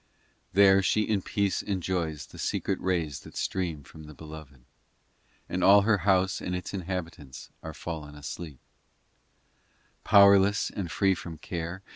IX There she in peace enjoys The secret rays that stream from the Belovdd ; And all her house and its inhabitants Are fallen asleep, Powerless and free from care.